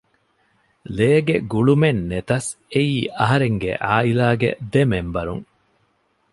ލޭގެ ގުޅުމެއްނެތަސް އެއީ އަހަރެންގެ ޢާއިލާގެ ދެ މެމްބަރުން